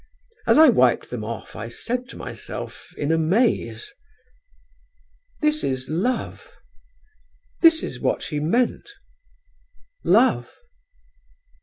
As I wiped them off I said to myself in amaze: "'This is love: this is what he meant love.'...